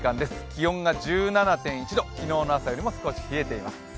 気温が１７．１度、昨日の朝よりも少し冷えています。